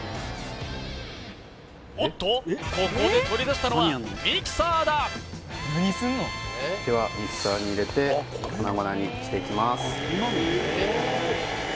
おっとここで取り出したのはミキサーだではミキサーに入れて粉々にしていきます